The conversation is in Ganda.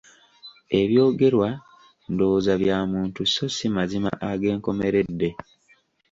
Ebyogerwa ndowooza bya muntu so si mazima ag’enkomeredde.